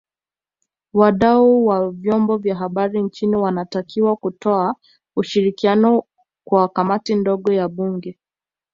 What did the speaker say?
Wadau wa Vyombo vya Habari nchini wanatakiwa kutoa ushirikiano kwa Kamati ndogo ya Bunge